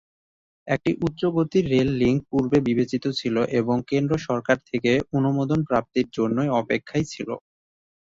একটি উচ্চ গতির রেল লিংক পূর্বে বিবেচিত ছিল এবং কেন্দ্র সরকার থেকে অনুমোদন প্রাপ্তির জন্যই অপেক্ষায় ছিল।